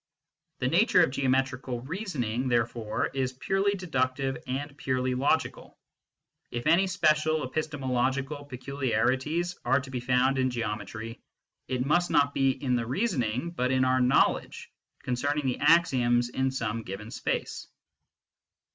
The nature of geometrical reasoning therefore is purely"] deductive and purely logical ; if any special epistemolo / gical peculiarities are to be found in geometry, it musti not be in the reasoning, but in our knowledge concerning} the axioms in some given space.